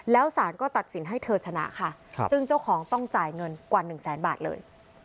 แล้วสารก็ตัดสินให้เธอชนะค่ะซึ่งเจ้าของต้องจ่ายเงินกว่าหนึ่งแสนบาทเลย